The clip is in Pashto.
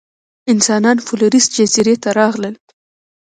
انسانان فلورېس جزیرې ته راغلل.